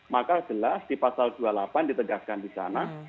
maka jelas di pasal dua puluh delapan ditegaskan di sana